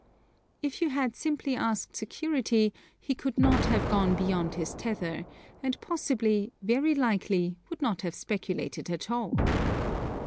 If you had simply asked security he could not have gone beyond his tether, and, possibly, very likely would not have speculated at all.